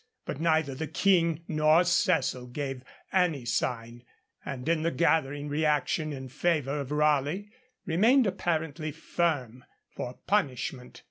But neither the King nor Cecil gave any sign, and in the gathering reaction in favour of Raleigh remained apparently firm for punishment.